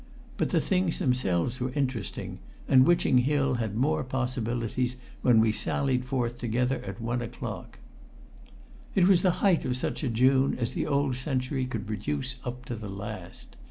But the things themselves were interesting, and Witching Hill had more possibilities when we sallied forth together at one o'clock. It was the height of such a June as the old century could produce up to the last.